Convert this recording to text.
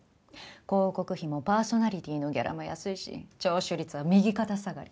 広告費もパーソナリティーのギャラも安いし聴取率は右肩下がり。